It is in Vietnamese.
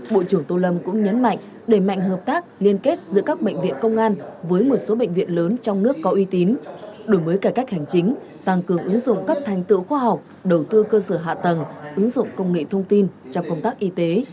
bộ trưởng tô lâm cũng nhấn mạnh đẩy mạnh hợp tác liên kết giữa các bệnh viện công an với một số bệnh viện lớn trong nước có uy tín đổi mới cải cách hành chính tăng cường ứng dụng các thành tựu khoa học đầu tư cơ sở hạ tầng ứng dụng công nghệ thông tin trong công tác y tế